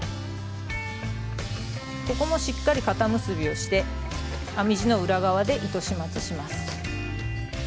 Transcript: ここもしっかり固結びをして編み地の裏側で糸始末します。